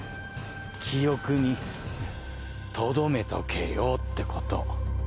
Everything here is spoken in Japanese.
記憶にとどめとけよってこと。